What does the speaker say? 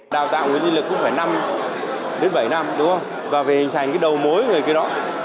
đào tạo nguyên nhân lực cũng phải năm bảy năm đúng không và phải hình thành cái đầu mối người kia đó